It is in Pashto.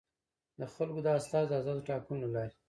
د خلکو د استازیو د ازادو ټاکنو له لارې.